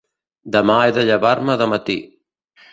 Demà he de llevar-me de matí.